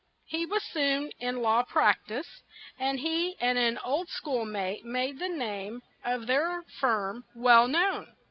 He was soon in law prac tise, and he and an old school mate made the name of their firm well known.